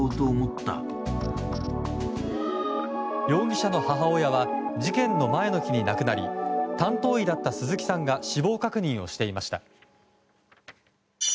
容疑者の母親は事件の前の日に亡くなり担当医だった鈴木さんが死亡確認をしていました。